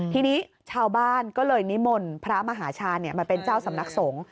ทีนี้ชาวบ้านก็เลยนิมนต์พระมหาชามาเป็นเจ้าสำนักสงฆ์